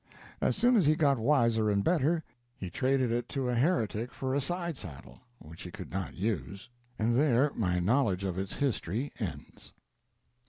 As soon as he got wiser and better he traded it to a heretic for a side saddle which he could not use, and there my knowledge of its history ends.